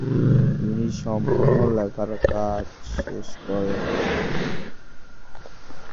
তিনি সম্পূর্ণ লেখার কাজ শেষ করেন।